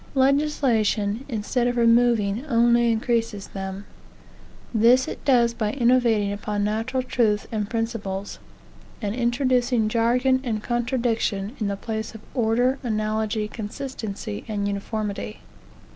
Legislation, instead of removing, only increases them; This it does by innovating upon natural truths and principles, and introducing jargon and contradiction, in the place of order, analogy, consistency, and uniformity.